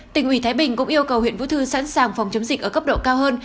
tỉnh ủy thái bình cũng yêu cầu huyện vũ thư sẵn sàng phòng chống dịch ở cấp độ cao hơn